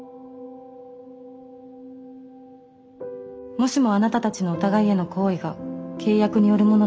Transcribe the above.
もしもあなたたちのお互いへの好意が契約によるものだとしたら。